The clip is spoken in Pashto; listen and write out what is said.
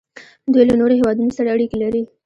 دوی له نورو هیوادونو سره اړیکې لري.